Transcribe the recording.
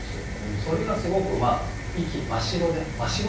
それがすごく「息真白」で真白ですからね